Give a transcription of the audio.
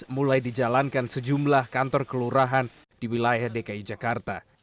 mulai dijalankan sejumlah kantor kelurahan di wilayah dki jakarta